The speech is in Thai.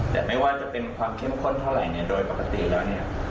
แต่ไม่ว่าจะเป็นความเข้มข้นเท่าไหร่เนี่ยโดยปกติแล้วเนี่ย